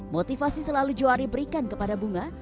motivasi selalu juari berikan kepada bunga